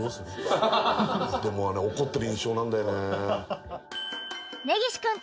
でもあれ怒ってる印象なんだよね。